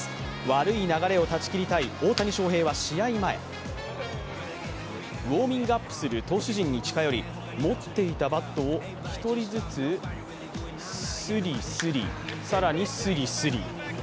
悪い流れを断ち切りたい大谷翔平は試合前ウオーミングアップする投手陣に近寄り持っていたバットを１人ずつ、スリスリ、更にスリスリ。